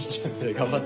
頑張って。